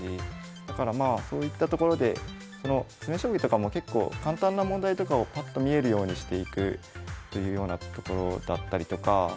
だからまあそういったところでその詰将棋とかも結構簡単な問題とかをパッと見えるようにしていくというようなところだったりとか。へえ。